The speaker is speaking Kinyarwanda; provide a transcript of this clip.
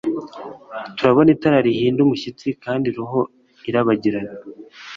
turabona itara rihinda umushyitsi kandi roho irabagirana